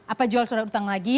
apa jual surat utang lagi